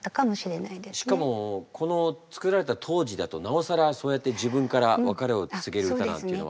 しかもこの作られた当時だとなおさらそうやって自分から別れを告げる歌なんていうのは。